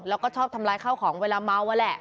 แล้วก็ชอบทำลายข้าวของเวลาเมาอะแหละ